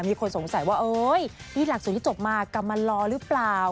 มีคนสงสัยว่าเอ้ยนี่หลักสูตรที่จบมากำมารอหรือเปล่า